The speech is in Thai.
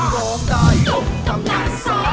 ร้องได้ยกกำลังซ่า